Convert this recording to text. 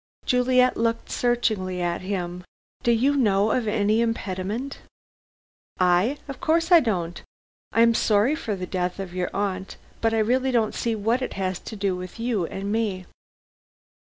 Juliet looked searchingly at him. "Do you know of any impediment?" "I? Of course I don't. I am sorry for the death of your aunt, but I really don't see what it has to do with you and me."